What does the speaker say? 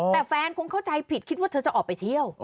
แต่แฟนคงเข้าใจผิดคิดว่าเธอจะออกไปเที่ยว